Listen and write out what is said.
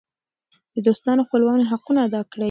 د دوستانو او خپلوانو حقونه ادا کړئ.